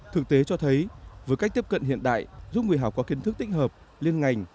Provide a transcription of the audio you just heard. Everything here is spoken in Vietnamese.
thực tế cho thấy với cách tiếp cận hiện đại giúp người học có kiến thức tích hợp liên ngành